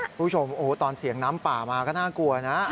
คุณผู้ชมโอ้โหตอนเสียงน้ำป่ามาก็น่ากลัวนะ